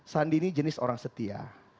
sandi ini jenis orang setia